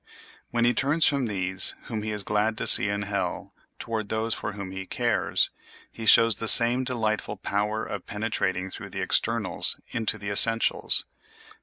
When he turns from those whom he is glad to see in hell toward those for whom he cares, he shows the same delightful power of penetrating through the externals into the essentials.